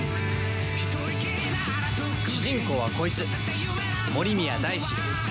主人公はこいつ森宮大志。